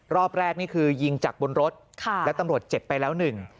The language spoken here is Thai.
รอบแรกนี่คือยิงจากบนรถแล้วตำรวจเจ็บไปแล้วหนึ่ง